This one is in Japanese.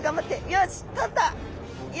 よしとった！